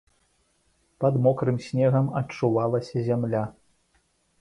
Пад мокрым снегам адчувалася зямля.